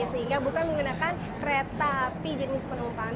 sehingga bukan menggunakan kereta api jenis penumpang